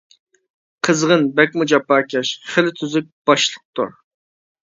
قىزغىن بەكمۇ جاپاكەش، خىلى تۈزۈك باشلىقتۇر.